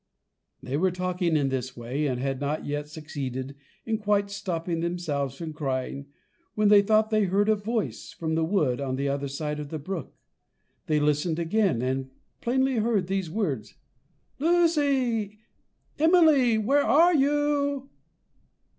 They were talking in this way, and had not yet succeeded in quite stopping themselves from crying, when they thought they heard a voice from the wood on the other side of the brook. They listened again, and plainly heard these words: "Lucy! Emily! where are you?"